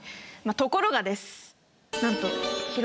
ところがです。